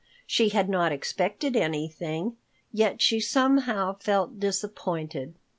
She had not expected anything, yet she somehow felt disappointed.